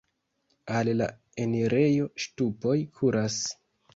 Al la enirejo ŝtupoj kuras.